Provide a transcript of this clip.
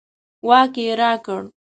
واک یې راکړ.